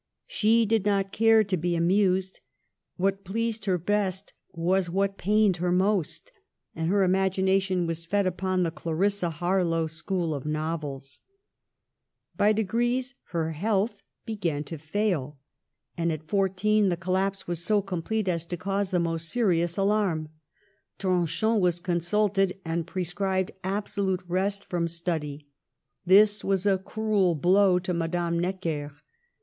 She did not care to be amused. What pleased her best was what pained her most, and her imagination was fed upon the " Clarissa Harlowe " school of novels. By degrees her health began to fail, and at Digitized by VjOOQLC GIRLHOOD AND MARRIAGE, 2$ fourteen the collapse was so complete as to cause the most serious alarm. Tronchin was consult ed, and prescribed absolute rest from study. This was a cruel blow to Madame Necker.